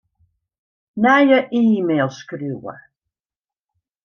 Nije e-mail skriuwe.